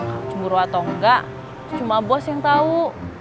kalo cemburu atau enggak cuma bos yang tau